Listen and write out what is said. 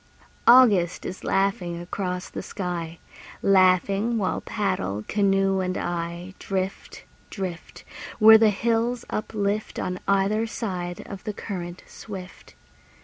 August is laughing across the sky, Laughing while paddle, canoe and I, Drift, drift, Where the hills uplift On either side of the current swift.